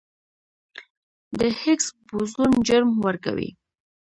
د هیګز بوزون جرم ورکوي.